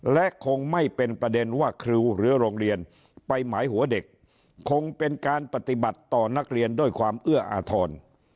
และคงไม่เป็นประเด็นว่าครูหรือโรงเรียนไปหมายหัวเด็กคงเป็นการปฏิบัติต่อนักเรียนด้วยความเอื้ออาทร